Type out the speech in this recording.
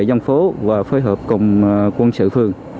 công an xã phổ và phối hợp cùng quân sự phường